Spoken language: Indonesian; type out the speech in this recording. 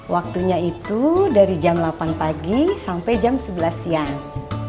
waktunya itu dari jam delapan pagi sampai jam sebelas siang